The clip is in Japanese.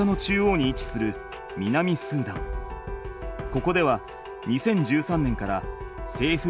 ここでは２０１３年からせいふ